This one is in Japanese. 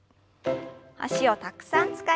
脚をたくさん使いました。